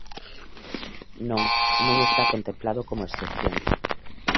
Non, non está contemplado como excepción.